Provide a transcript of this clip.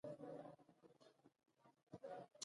په دې پروژه کې څلور اتیا کسان کار کوي.